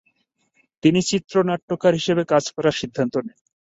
তিনি চিত্রনাট্যকার হিসেবে কাজ করার সিদ্ধান্ত নেন।